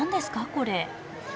これ。